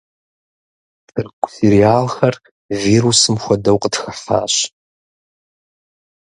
Тырку сериалхэр вирусым хуэдэу къытхыхьащ.